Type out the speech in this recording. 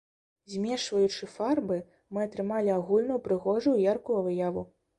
Змешваючы фарбы, мы атрымалі агульную прыгожую і яркую выяву.